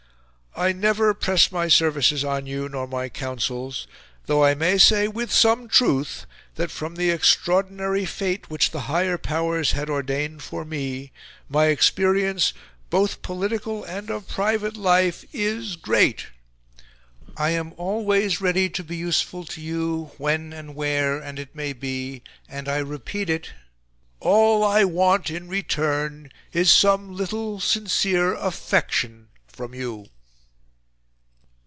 "I never press my services on you, nor my councils, though I may say with some truth that from the extraordinary fate which the higher powers had ordained for me, my experience, both political and of private life, is great. I am ALWAYS READY to be useful to you when and where and it may be, and I repeat it, ALL I WANT IN RETURN IS SOME LITTLE SINCERE AFFECTION FROM YOU."